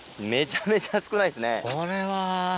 これは。